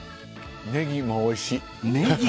ネギもおいしい。